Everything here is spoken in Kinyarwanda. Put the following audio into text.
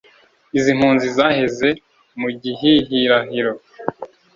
Izi mpuzi zaheze mu gihihirahiro